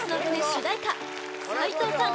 主題歌斉藤さん